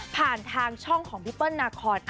ผ่านทางช่องของพี่เปิ้ลนาคอน